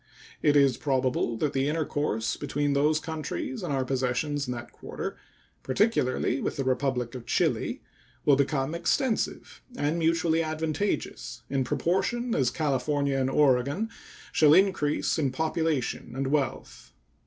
It is probable that the intercourse between those countries and our possessions in that quarter, particularly with the Republic of Chili, will become extensive and mutually advantageous in proportion as California and Oregon shall increase in population and wealth.